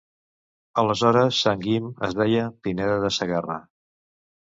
Aleshores Sant Guim es deia Pineda de Segarra.